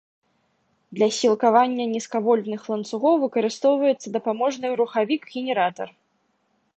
Для сілкавання нізкавольтных ланцугоў выкарыстоўваецца дапаможны рухавік-генератар.